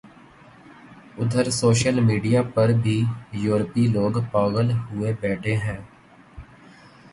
ادھر social media پر بھی یورپی لوگ پاغل ہوئے بیٹھے ہیں